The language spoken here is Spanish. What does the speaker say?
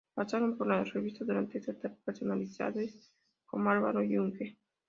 Pasaron por la revista durante esta etapa personalidades como Álvaro Yunque.